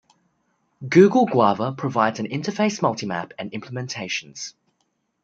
Google Guava provides an interface Multimap and implementations.